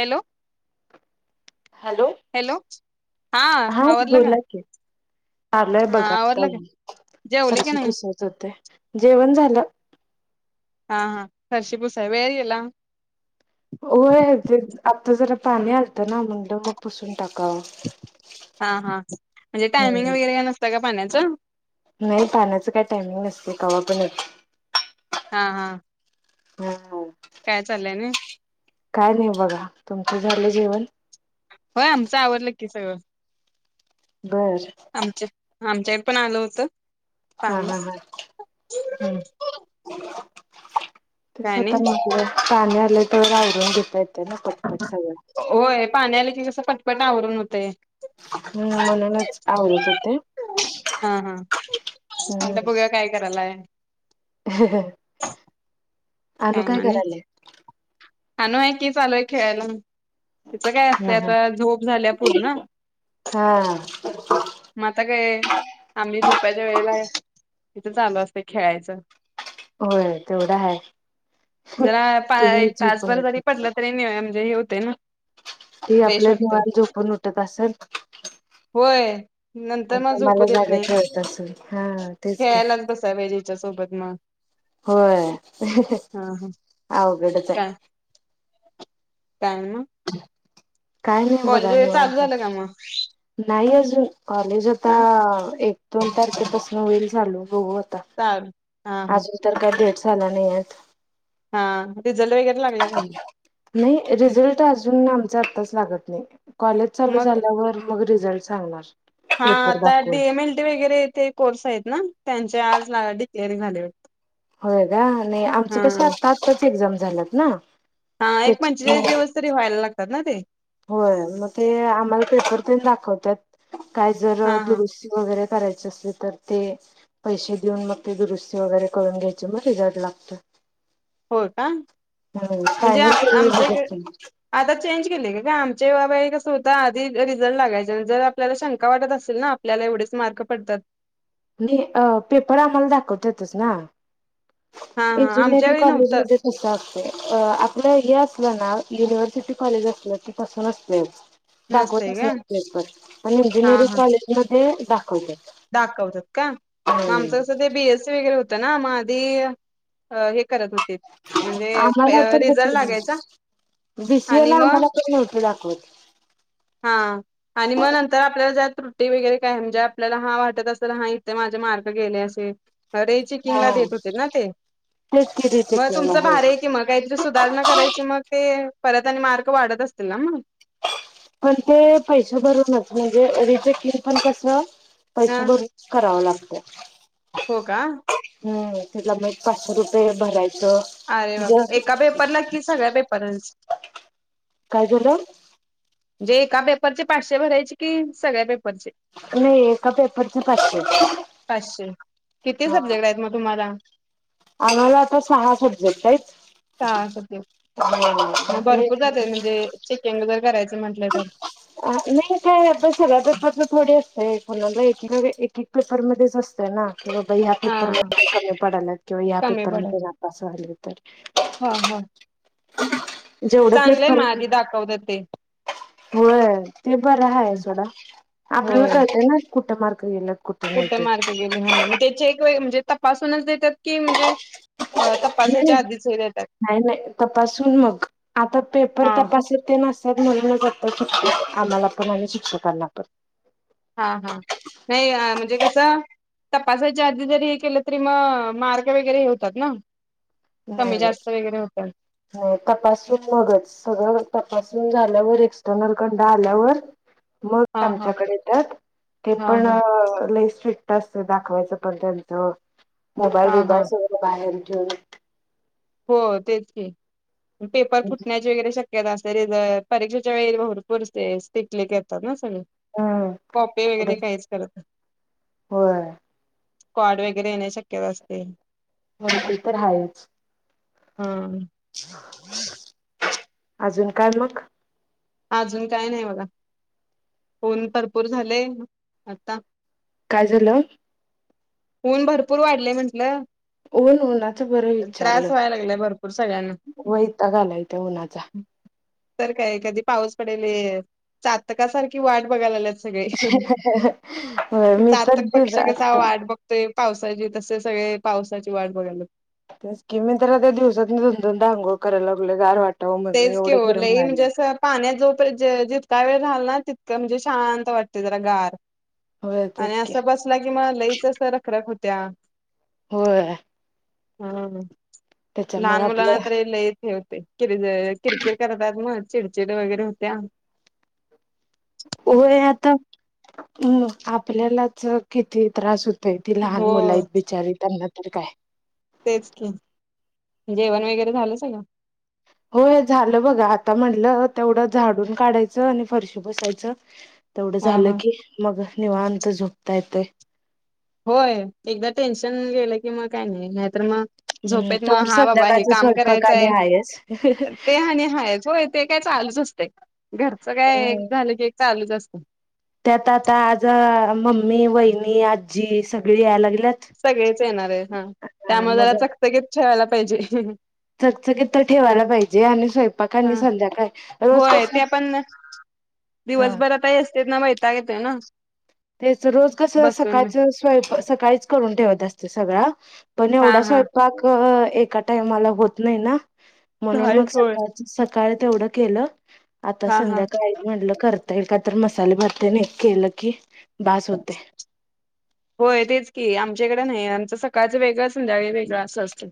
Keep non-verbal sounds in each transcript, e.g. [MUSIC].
Hello hello hello हा आवरलं का बोलाकी आलय हा बघा आवरलं का जेवले का फरशी नाही पुसत होते जेवण झा हल [UNINTELLIGIBLE] हा फरशी पुसया वेळ होय ते आता जरा पाणी आलतं ना म्हणलं मग पुसून टाकत हा हा म्हणजे टायमिंग हम्म वगैरे का नसत का पाण्या च नाही पाहण्याचं काय टायमिंग नसते कवा पण यते हा हा हो काय चाललंय ना काय नाही बघा तुमच झालं जेवण होय आमचं आवरले की सगळं बर आमच्या आमच्या पण आलं होत हा हा हा हम्म ह [UNINTELLIGIBLE] काय नाही तेसतानाग [UNINTELLIGIBLE] पाणी आले तोवर आवरून घेते ना पटपट सगळं होय पाणी आलं कि कसं फटपट आवरून होते हम्म मणूनच आवरात होते हा हा आता हम् बघूया काय करायलाय अलू काय करायला हा न आहे की चालू आहे खेळायला तच काय हा असतय हा आता झोप झाल्या पूर्ण हा, मग आता काय आहे आम्ही झोपाच्या वेळेला आहे तिथं चालू असतं खेळायचं होय तेवढा ह ते र जरी पटलं तरी म्हणजे हे होते ना ती आपल्या फ्रेशते निवांत झोपून उठत असेल होय नंतर आणि मग झोपू तुम्हाला देत जागा नाही ठेवत असेल हा तेच की खेळायलाच बसा त्याच्या सोबत मग होय हा हा आग त्याच काय काय ना काय नाही बघा चालू निवणत झालं का मग नाही हम् कॉलेज आता हा एक दोन तारखेपासून [INAUDIBLE] झालो ब ताण. अजून तर काय द्यायच झाला [INAUDIBLE] हा रिझल्ट वगैरे लागला का मग नाही, रिझल्ट अजून आमचा आताच लागत नाही. कॉलेज चालू मग झाल्यावर मग रिझल्ट सांगणार. हा पेपर आता दाखवून डीएम एल टी वगैरे ते कोर्स आहेत ना? त्यांचे आज ला डिक्लेअर झाले वाट होय का नाही आमचं कसं आस्त आता एक्झाम झाल्यात ना? हा एक पंचेचाळीस त्याच्यामुळे दिवस तरी व्हायला लाग तात ना ते. होय मग ते आम्हाला पेपर पण दाखवत्यात. काय जर अ हा हा दुरुस्ती वगैरे करायचं असलं तर ते, पैसे देऊन मग ते दुरुस्ती वगैरे करून घ्यायचे मग रिझल्ट लागतं. होय का? म्हणजे आप केलेलं आमच्या हिक बघत आता चेंज केलेल ग आ जेव्हा वेळी कसं होता आधी रिझल्ट लागायचा जर आपल्याला शंका वाटत असेल ना आपल्याला एवढेच मार्क पडतात नी अ पेपर आम्हाला दाखवतातच ना. हा हा आमच्या इंजिनिअरिंग वेळी कॉलेज नव्हतं मध्ये घेतात. अ आपलं हे असलं ना युनिव्हर्सिटी कॉलेज असलं कि तसं नसतंयच. नसतय दाखवतचं का नाहीत पेपर पण हा इंजिनिअरिंग हा कॉलेजमध्य हे दाखवत्यात. दाखवतात का, आमचं तसं बीएससी वगैरे होत तना मा आधी अ हे‌ करत होते. म्हणजे आम्हाला अ तर रिझल्ट लागायचा, बीसीए आणि ला मग आम्हाला पण नव्हतं दाखवत. हा.. आणि मग आपल्याला ज्या तृ ते वगैरे काय हम ज्या आपल्याला हा वाटत असेल हा इथे माझे मार्क गेले असेल. रेचेकिंग हा ला देत होते ना ते, तेच की मग रिचेकिंगला तुमचं हो भार आहे की मग काहीतरी सुधारणा करायची मग ते परत आणि मार्क वाढत असतील ना मग? पण ते पैसे भरूनच म्हणजे रिचेकिंग पण कसं हा पैसे भरूनच करावं लागत. [INAUDIBLE] हो का.. ह्म्म्म त्याला मग पाचशे रुपये भरायचं अरे बाप म्हणजे एका पेपरला कि सगळ्या पेपरलाच... काय झालं म्हणजे एका पेपरचे पाचशे भरायचे की सगळ्या पेपर.. नाही एका पेपरचे पाचशे पाचशे.. किती हा सब्जेक्ट आहेत मग तुम्हाला. आम्हाला आता सहा सब्जेक्ट आहेत. हा.. म म्हणजे भरपूर जाते म्हणजे... चेक [UNINTELLIGIBLE] करायचं म्हटलं तर अ नाही सगळं पपेर चं थोडं अस.. ते कोणाला एक एक एक अ पेपरमध्येच असतय ना. कि बाइ या हा पेपर मध्ये कमी पडालात किंवा या कमी पेपर पडेल मध्ये नापास व्हा तर. हा हा जेवढं चांगलं पेपर माधी दाखवतातं ते. होय ते बरं हाय सोडा... आपल्याला कळतंय ना. कुट मार्क गेलतं कुठ मार्क गेलेयं हा मग त्याची एक - म्हणजे तपासूनच देतात की म्हणजे- तपासायच्या नाही आधीच हे देतात नाही... तपासून मग आता पेपर हा तपास ते. कर शिक्ष आम्हाला पण आणि शिक्षकांना पण हा हा नाही म्हणजे कसं तपासाच्या आधी जरी हे केलं तरी मग मार्ग वगैरे हे होतात ना नाही कमी नाही जास्त वगैरे होतात नाही तपासून मगच सगळं तपास झाल्यावर एक्टर्नल कंडा आल्यावर मग हा हा आमच्याकडे येत ते हा पण हा फि्ट असत दाखवायचं पण त्यांचं मोबाईल हा हा बीबाईल सगळं बाहेर ठेवून हो तेच पेपर फुटण्याचे वगैरे शक परीक्षेच्या वेळी भरपूर्टिकलीिक येतात ना सगळे हम्म कॉपे वगैरे काहीच करत नाही होय स्क्वॉड वगैरे येण्याची शक्यता असते हो ते तर आहेायच हम्म अजून काय मग अजून काय नाही बघा फोन भरपूर झालेय आता काय झालं ऊन भरपूर वाढलेय म्हंटलं ऊन उन्हाचं बरं विचारलं त्रास व्हायला लागलाय भरपूर सगळ्यांना वैताग आलाय त्या उन्हाचा तर काय कधी पाऊस पडेल चातकासारखी वाट बघायला ला मी तर चातक दिल पक्षी कसा वाट बघतोय पावसाची तसे सगळे पावसाची वाट बघायला कि मी तर दिवसात दोन दोन धांगोळ करायला लागले गार वाट तेच केवलंई म्हणजे अस पाण्यात जोप जितका वेळ राला ना तितकं म्हणजे शांत वाटते जरा गार होय आणि तेच की अस बसला कि म लईच अस रखरख होत त्या होय हम् त्याच्यामुळे लहान मुलांना आपलं तर ल होते किरकिर करतात मग चिडचिड वगैरे होत्या होय आता अ् आपल्यालाच किती त्रास होत ती हो लहान मुला आहेत बिचारी त्यांना काय तेच की जेवण वगैरे झालं सगळ हो हे झालं बघा आता म्हणलं तेवढं झाडून काढायचं आणि फरशीू बसायचं तेवढं हा हा. झालं की मग निवांत झोपता येते होय एकदा टेन्शन गेलं कि मग काय नाही तर मग हम्म झोपेत तोवर मग हा बाबा हे संध्याकाळचा काम स्वयंपाक आणि करायचंय हायच. ते हा आणि हायचोय ते काय चालूच असते घरचं काय हम्म. झालं की चालूच असते त्यात आता आज मम्मी वहिनी आजी सगळी यायला लागली सगळेच येणार आहे हा त्यामुळे जरा मग चकचकीच ठेवायला पाहिजे ह चकचकीत तर ठेवायला पाहिजे आणि स्वयंपाक आणि हम संध्याकाळ रोज होय कसं ते आपण हा दिवसभर आताही असते ना मघ वैताग येते ना तेच रोज कस बसून सकाळच स्वयंपाक सकाळीच करून ठेवत असते सगळं पण हा एवढा हा स्वयंपाक एका टाइमाला होत नाही ना. म्हणून होय मग होय सकाळच स काय तेवढं केलं. आता हा हा संध्याकाळी म्हटलं करत म काय तर मसालेे भात तेन एक केलं की बास होतय. होय तेच की, आमच्याकडे नाही, आमचं सकाळचं वेगळं संध्याकाळीच वेगळं असं असतय.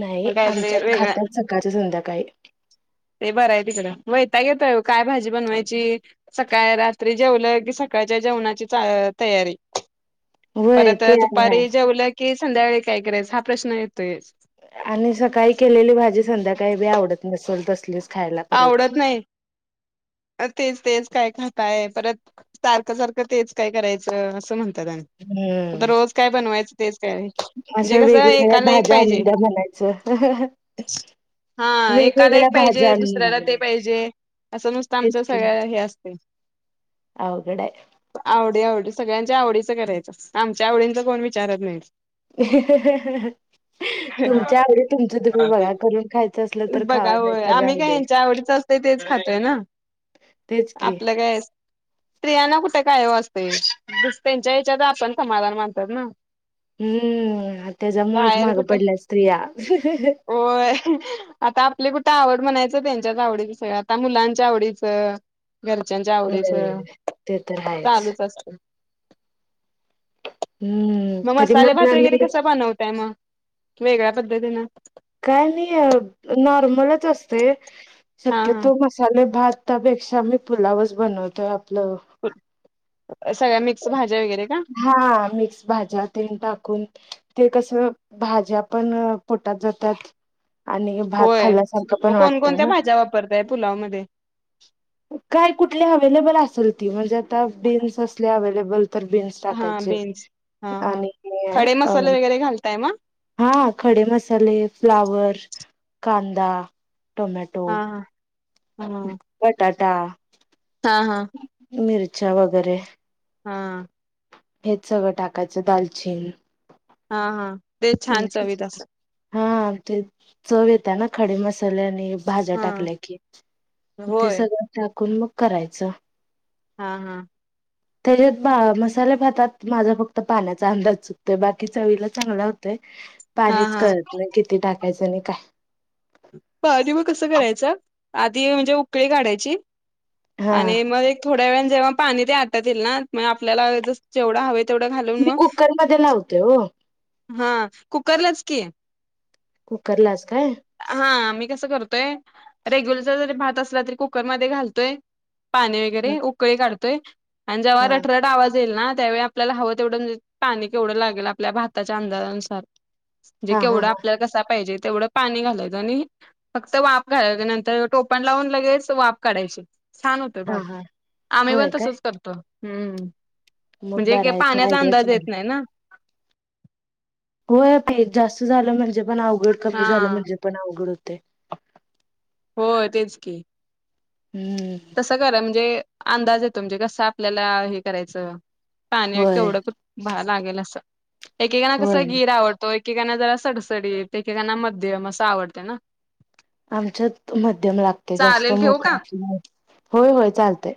नाही आमच्या खात्यात सकाळच संध्याकाळी. ते बरं आहे तिकडं वैताग येतोय आव, काय भाजी बनवायची सकाळ रात्री जेवलं कि सकाळच्या जेवणाची तयारी होय परत ते आणि आहे. दुपारी जेवलं की संध्याकाळी काय करायचं हा प्रश्न येतोय. आणि सकाळी केलेली भाजी संध्याकाळी बी आवडत नसेल तसलीच खायला परत आवडत नाही, तेच तेच काय खाताय परत, सारखं सारखं तेच काय करायचं असं म्हणत आ हम्म रोज काय बनवायच तेच काय, म्हणजे अशा कस वेगवेगळ्या एकाला एक भाज्या पाहिजे, आणून द्या म्हणायचं. हा एकाला एक वेगवेगळ्या भाज्या पाहिजे. आणून द्या दुसऱ्याला ते म्हणायचं पाहिजे, असं नुसतं आमच तेच की सगळ्या हे असतय अवघड हाय. आवडी आवडी सगळ्यांच्या आवडीचं करायचं, आमच्या आवडींच कोण विचारत नाही तुमच्या नाही आवडी तुमच तुम्ही बघा, करून खायचं असल तर खावा बघा नाही होय तर आम्ही काय राहुदे यांच्या आवडीच असतय तेच खातोय ना, तेच की आपलं काय स्त्रियांना कुठे काय ओ असतय, त्यांच्या याच्यातच आपण समाधान मानतात ना. हम्म, त्याज्यामुळच बाहेर माग कुठे पडल्यात स्त्रिया. [UNINTELLIGIBLE] कुठ आवड म्हणाय त्यांच्याच आवडीच सगळं आता मुलांच्या आवडीचं घरच्यांच्या आवडीच, होय ते तर आहेच चालूच असत. हम्म मग तरी मसाले भात वगैरे आम्ही कसा बनवताय म वेगळ्या पद्धतीन काय नाही नॉर्मलच असतय. हा शक्यतो हा मसाले भात त्यापेक्षा आम्ही पुलावच बनवतोय ह [UNINTELLIGIBLE] सगळ्या मिक्स भाज्या वगैरे का हा मिक्स भाज्या तेन टाकून. ते कसं भाज्या पण पोटात जातात. आणि भात होय खाल्ल्यासारखं पण मग वाटत कोणकोणत्या ना भाज्या वापरताय पुलाव मध्ये काय कुठले अवेलेबल अस सुलतीवरर जात त बीन अवेलेबल हा टाकायचे बीन्स हा हा आणि खडे अ मसाले वगैरे घालताय म हा खडे मसाले फ्लावर कांदा टोमॅटो हा हा हा कात ता हा हा मिरच्या वगैरे हा हेच सगळं टाकायचं दालचीन हा हा ते छान चविध अस हा ते चव येत आहे ना खडे मसाल्याने भाज्या हा टाकल्या की ते होय सगळं टाकून मग करायचं हा हा त्याच्यात मसाले भातात माझा फक्त पाण्याचा अंदाज चुकतोय बाकी चवीला चांगला होतय हा पाणीच हा कळत नाही किती टाकयाचं काहीच नाही काय प मग कसं करायचं आधी म्हणजे उकळी काढायची हा आणि मग एक थोडा वेळ जेव्हा पाणी द्या त्यांना मग आपल्याला जेवढा हवंय मी कुकर मध्ये लावते हो हा कुकरलाच की कुकरलाच काय हा कसं करते रेगुलर जरी भात असला तरी कुकरमध्येच घालते पाणी हा वगैरे उकळे काढतो ते आणि जेव्हा रट रट आवाज ल ना त्यावेळी आपल्याला हवं तेवढं म्हे पाणी केवढं लागेल आपल्या भाताच्या अंदाजानुसार म्हणजे हा हा केवढा हा आपल्याला कसा पाहिजे तेवढं पाणी घालायचं, आणि फक्त वाफ घालाय, नंतर टोपण लावून लगेच वाफ काढायची छान होतय हा भात हा आम्ही पण होय काय तसच करतो, हम्म. मग बरं म्हणजे आहे ते पाण्याचा आयडिया अंदाज येत चांगली नाही ना, होय की जास्त झालं म्हणजे पण अव उघड कमी हा झालं म्हणजे पण अवघड ते हो तेच की हम्म तसं कररा म्हणजे अंदाज येतो म्हणजे कसं आपल्याला हे करायचं, होय पाणीवढं भर लागेल असं एकेकाना कस होय गीर आवडतो एकेकांना जरा सडसडी एकेकांना मध्यम असं आवडत ना, आमच्यात मध्यम लागते जास्त चालेल ठेवू का मोकळ्या, होय होय चालतय,